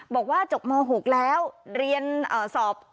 บอกว่าจบม๖แล้วเรียนสอบ